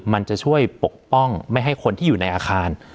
มันจะช่วยปกป้องไม่ให้คนที่อยู่ในอาคาร